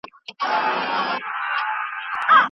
زکات د بې وزلۍ د له منځه وړلو لاره ده.